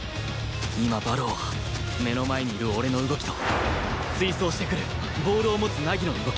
今馬狼は目の前にいる俺の動きと追走してくるボールを持つ凪の動き